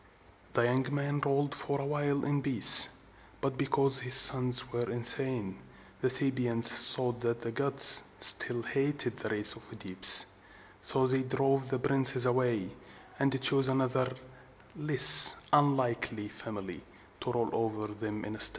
This young man ruled for a while in peace; but because his sons were insane, the Thebans thought that the gods still hated the race of OEdipus: so they drove these princes away, and chose another and less unlucky family to rule over them instead.